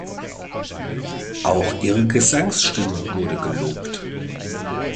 Auch ihre Gesangsstimme wurde gelobt.